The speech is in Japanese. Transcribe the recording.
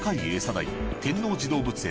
代天王寺動物園